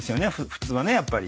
普通はね。